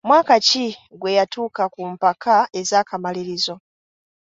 Mwaka ki gwe yatuuka ku mpaka ez’akamalirizo?